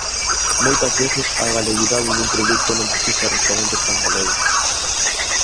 Moitas veces a galeguidade dun produto non precisa referentes tan galegos.